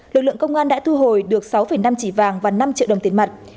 lực lượng công an đã thu hồi được sáu năm chỉ vàng và năm triệu đồng tiền mặt